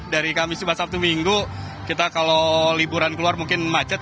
dari kamis jumat sabtu minggu kita kalau liburan keluar mungkin macet